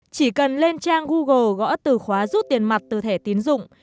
chỉ cần lên trang google gõ từ khóa rút tiền mặt từ thẻ tiến dụng